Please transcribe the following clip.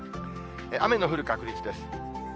雨の降る確率です。